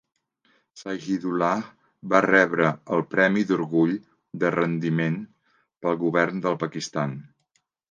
Shahidullah va rebre el Premi d'orgull de rendiment pel govern del Pakistan.